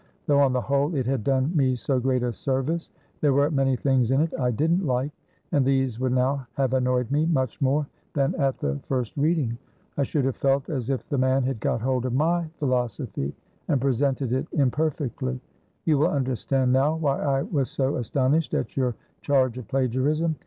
Though, on the whole, it had done me so great a service, there were many things in it I didn't like, and these would now have annoyed me much more than at the first reading. I should have felt as if the man had got hold of my philosophy, and presented it imperfectly. You will understand now why I was so astonished at your charge of plagiarism.